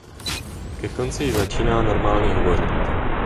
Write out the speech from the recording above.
Ke konci již začíná normálně hovořit.